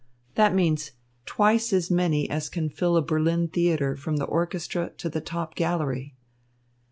That means twice as many as can fill a Berlin theatre from the orchestra to the top gallery.